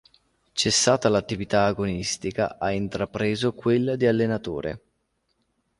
Cessata l'attività agonistica, ha intrapreso quella di allenatore.